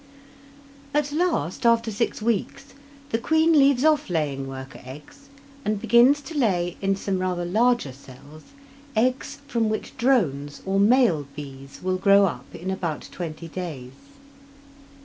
At last, after six weeks, the queen leaves off laying worker eggs, and begins to lay, in some rather larger cells, eggs from which drones, or male bees, will grow up in about twenty days.